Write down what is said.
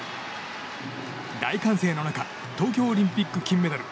大歓声の中東京オリンピック金メダル